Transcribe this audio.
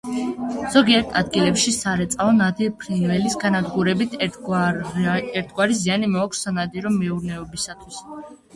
ზოგიერთ ადგილებში სარეწაო ნადირ-ფრინველის განადგურებით ერთგვარი ზიანი მოაქვს სანადირო მეურნეობისათვის.